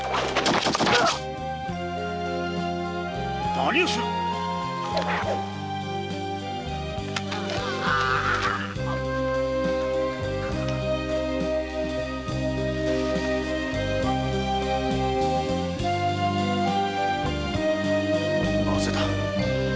何をするっ⁉なぜだ。